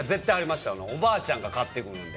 おばあちゃんが買って来るんで。